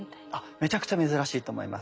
めちゃくちゃ珍しいと思います。